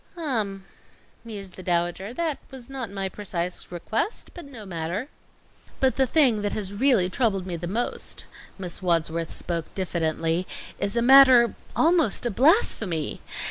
"Um," mused the Dowager, "that was not my precise request, but no matter." "But the thing that has really troubled me the most," Miss Wadsworth spoke diffidently, "is a matter almost a blasphemy.